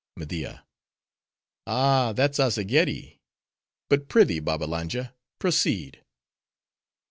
MEDIA—Ah! that's Azzageddi. But, prithee, Babbalanja, proceed.